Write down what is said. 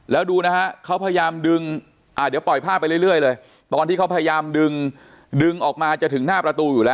แล้วดูนะฮะเขาพยายามดึงเดี๋ยวปล่อยภาพไปเรื่อยเลยตอนที่เขาพยายามดึงดึงออกมาจะถึงหน้าประตูอยู่แล้ว